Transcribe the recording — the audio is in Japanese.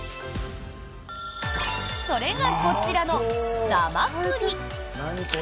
それがこちらのなまくり。